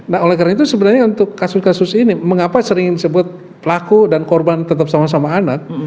nah oleh karena itu sebenarnya untuk kasus kasus ini mengapa sering disebut pelaku dan korban tetap sama sama anak